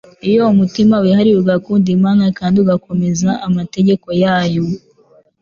Iyo umutima wiharinye ugakunda Imana kandi ugakomeza amategeko yayo,